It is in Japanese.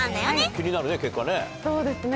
気になるね結果ね。